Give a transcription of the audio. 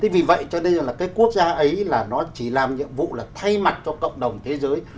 vì vậy cho nên là cái quốc gia ấy là nó chỉ làm nhiệm vụ là thay mặt cho cộng đồng thế giới